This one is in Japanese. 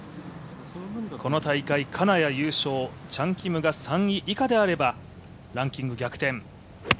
この大会、金谷優勝、チャン・キムが３位以下であればランキング逆転。